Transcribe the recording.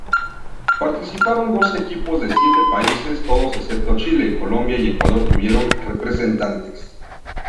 Participaron doce equipos de siete países, todos excepto Chile, Colombia y Ecuador tuvieron representantes.